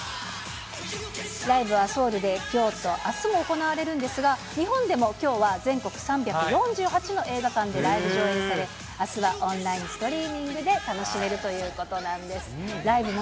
ライブはソウルできょうとあすも行われるんですが、日本でもきょうは全国３４８の映画館でライブ上映され、あすはオンラインストリーミングで楽しめるということなんです。